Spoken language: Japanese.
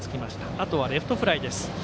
あとはレフトフライ。